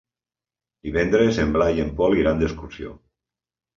Divendres en Blai i en Pol iran d'excursió.